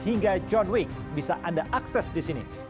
hingga john week bisa anda akses di sini